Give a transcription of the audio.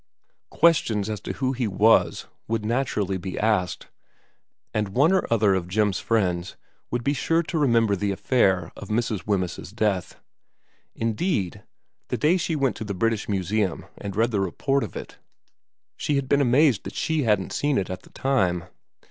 Questions as to who he was would naturally be asked, and one or other of Jim's friends would be sure to remember the affair of Mrs. Wemyss's death ; indeed, that day she went to the British Museum and read the report of it she had x VERA 103 been amazed that she hadn't seen it at the time.